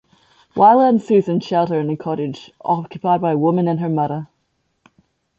Wyler and Susan shelter in a cottage, occupied by a woman and her mother.